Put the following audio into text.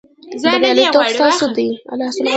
بریالیتوب ستاسو دی